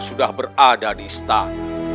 sudah berada di stan